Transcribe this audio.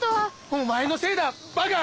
お前のせいだバカ！